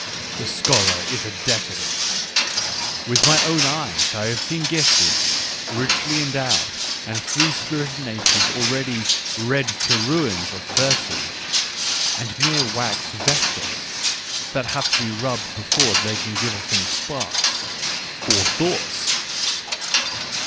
The scholar is a decadent. With my own eyes I have seen gifted, richly en dowed, and free spirited natures already " read to ruins " at thirty, and mere wax vestas that have to be rubbed before they can give off any sparks — or " thoughts."